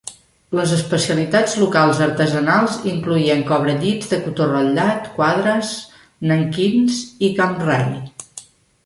Les especialitats locals artesanals incloïen cobrellits de cotó ratllat, quadres, nanquins i camray.